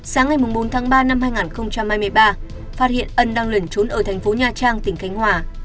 sáng ngày bốn tháng ba năm hai nghìn hai mươi ba phát hiện ân đang lẩn trốn ở thành phố nha trang tỉnh khánh hòa